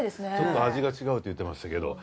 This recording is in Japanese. ちょっと味が違うって言ってましたけど。